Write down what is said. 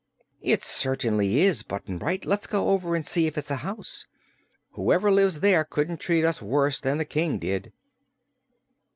"It certainly is, Button Bright. Let's go over and see if it's a house. Whoever lives there couldn't treat us worse than the King did."